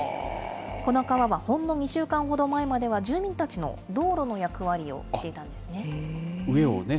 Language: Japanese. この川はほんの２週間ほど前までは、住民たちの道路の役割をしていたんですね。